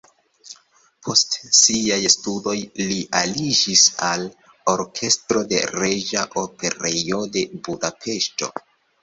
Post siaj studoj li aliĝis al orkestro de Reĝa Operejo de Budapeŝto.